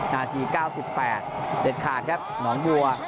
นาที๙๘เด็ดขาดครับหนองบัว